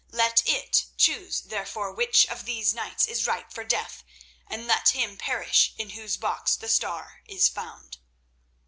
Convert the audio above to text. Let it choose, therefore, which of these knights is ripe for death, and let him perish in whose box the Star is found."